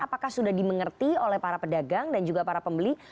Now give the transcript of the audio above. apakah sudah dimengerti oleh para pedagang dan juga para pembeli